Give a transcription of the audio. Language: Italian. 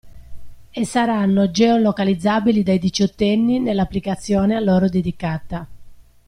E saranno geo-localizzabili dai diciottenni nell'applicazione a loro dedicata.